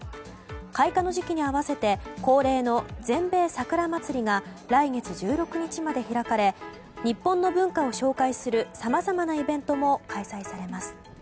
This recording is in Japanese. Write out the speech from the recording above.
開花の時期に合わせて恒例の全米桜祭りが来月１６日まで開かれ日本の文化を紹介するさまざまなイベントも開催されます。